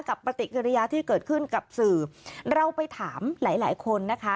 ปฏิกิริยาที่เกิดขึ้นกับสื่อเราไปถามหลายหลายคนนะคะ